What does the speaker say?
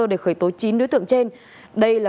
để khởi tố chín đối tượng trên đây là